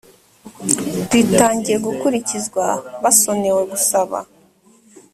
ritangiye gukurikizwa basonewe gusaba